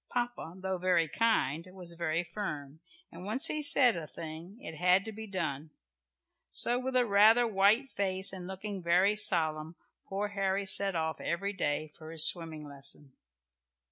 Papa, though very kind, was very firm, and once he said a thing, it had to be done. So with a rather white face, and looking very solemn, poor Harry set off every day for his swimming lesson.